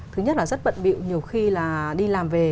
thứ nhất là rất bận bịu nhiều khi là đi làm về